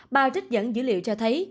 bà trích dẫn dữ liệu cho thấy